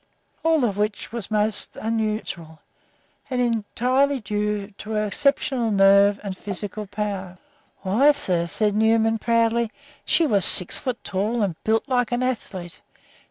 All of which was most unusual, and due entirely to her exceptional nerve and physical power. "Why, sir," said Newman, proudly, "she was six feet tall and built like an athlete.